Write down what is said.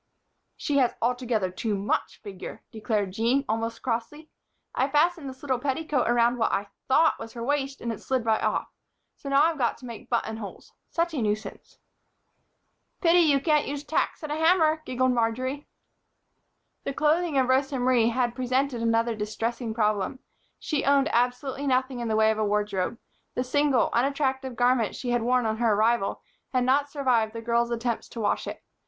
"She has altogether too much figure," declared Jean, almost crossly. "I fastened this little petticoat around what I thought was her waist and it slid right off. So now I've got to make buttonholes. Such a nuisance!" "Pity you can't use tacks and a hammer," giggled Marjory. The clothing of Rosa Marie had presented another distressing problem. She owned absolutely nothing in the way of a wardrobe. The single, unattractive garment she had worn on her arrival had not survived the girls' attempts to wash it.